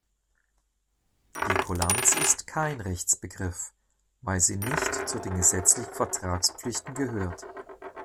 Die Kulanz ist kein Rechtsbegriff, weil sie nicht zu den gesetzlichen Vertragspflichten gehört.